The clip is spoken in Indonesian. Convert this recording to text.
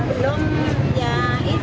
sudah berjodoh dari ayam